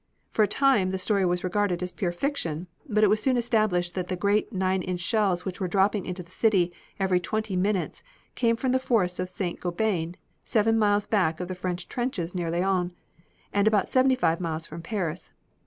For a time the story was regarded as pure fiction, but it was soon established that the great nine inch shells which were dropping into the city every twenty minutes came from the forests of St. Gobain, seven miles back of the French trenches near Laon, and about seventy five miles from Paris.